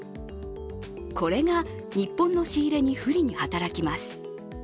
これが日本の仕入れに不利に働きます。